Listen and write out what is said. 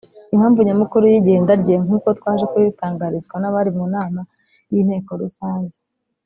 Impamvu nyamukuru y’igenda rye nkuko twaje kubitangarizwa n’abari mu nama y’inteko rusange